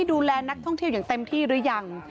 ดูแลนักท่องเที่ยวอย่างเต็มที่หรือยัง